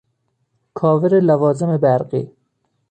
کاور لوازم برقی